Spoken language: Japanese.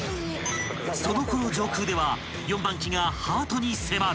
［そのころ上空では４番機がハートに迫る］